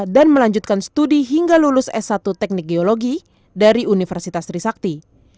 dan melanjutkan studi hingga lulus s satu teknik geologi dari universitas risakti